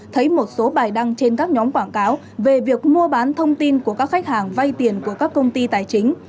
thấy một số bài đăng trên các nhóm quảng cáo về việc mua bán thông tin của các khách hàng vay tiền của các công ty tài chính